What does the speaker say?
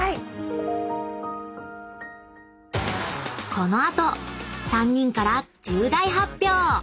［この後３人から重大発表！］